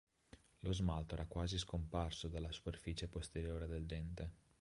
Lo smalto era quasi scomparso dalla superficie posteriore del dente.